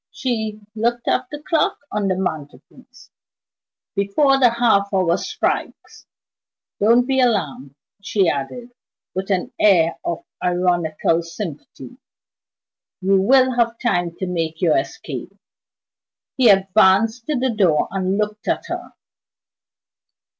She looked at the clock on the mantelpiece. "Before the half hour strikes. Don't be alarmed," she added, with an air of ironical sympathy; "you will have time to make your escape." He advanced to the door, and looked at her.